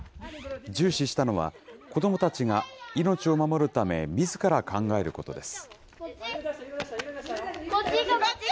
重視したのは、子どもたちが命を守るため、みずから考えることです。